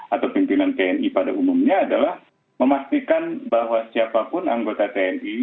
atau pimpinan tni pada umumnya adalah memastikan bahwa siapapun anggota tni